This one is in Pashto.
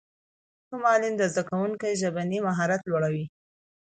ښه معلم د زدهکوونکو ژبنی مهارت لوړوي.